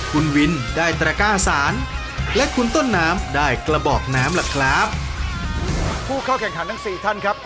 คิดว่าวันนี้เราจะกับบ้านคนแรกมั้ยคะ